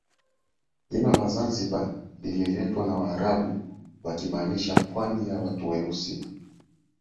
Jina la Zanzibar lililetwa na waarabu wakimaanisha pwani ya watu weusi